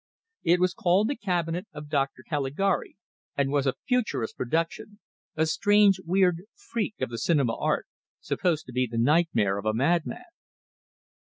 It was called "The Cabinet of Dr. Caligari," and was a "futurist" production, a strange, weird freak of the cinema art, supposed to be the nightmare of a madman.